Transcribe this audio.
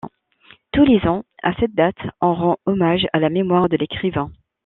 Tous les ans, à cette date, on rend hommage à la mémoire de l'écrivain.